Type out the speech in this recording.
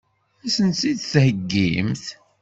Ad sent-tt-id-theggimt?